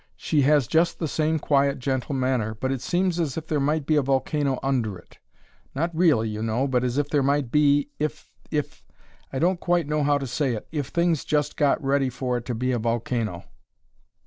She has just the same quiet, gentle manner, but it seems as if there might be a volcano under it not really, you know, but as if there might be if if I don't quite know how to say it if things just got ready for it to be a volcano!"